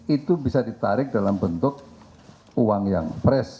itu bisa ditarik dalam bentuk uang yang fresh